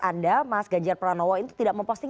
anda mas ganjar pranowo itu tidak memposting